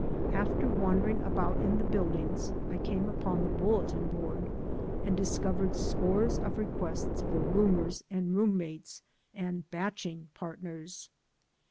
After wandering about in the buildings I came upon the bulletin board and discovered scores of requests for roomers and room mates and "baching partners."